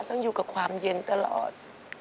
ต้องอยู่กับความเย็นตลอด